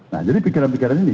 nah jadi pikiran pikiran ini